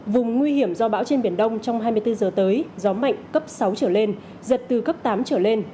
vùng nguy hiểm do bão trên biển đông trong hai mươi bốn giờ tới gió mạnh cấp sáu trở lên giật từ cấp tám trở lên